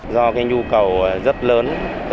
do cái nhu cầu rất lớn